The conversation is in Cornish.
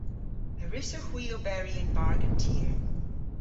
A wrussowgh hwi oberi yn bargen tir?